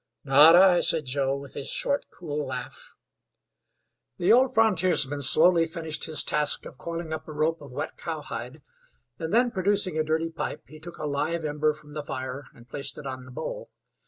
"Not I," said Joe, with his short, cool laugh. The old frontiersman slowly finished his task of coiling up a rope of wet cowhide, and then, producing a dirty pipe, he took a live ember from the fire and placed it on the bowl.